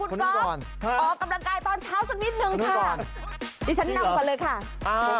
ออกกำลังกายตอนเช้าสักนิดหนึ่งค่ะดิฉันนั่งก่อนเลยค่ะ